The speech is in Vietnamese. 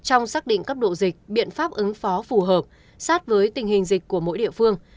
trong xác định cấp độ dịch biện pháp ứng phó phù hợp sát với tình hình dịch của mỗi địa phương